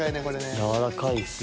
やわらかいですね。